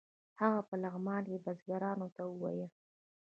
هغه په لغمان کې بزګرانو ته ویل.